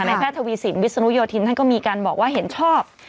แพทย์ทวีสินวิศนุโยธินท่านก็มีการบอกว่าเห็นชอบ